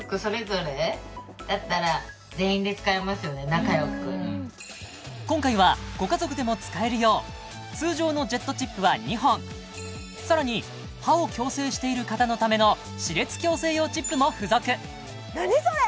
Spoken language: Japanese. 仲よく今回はご家族でも使えるよう通常のジェットチップは２本さらに歯を矯正している方のための歯列矯正用チップも付属何それ！？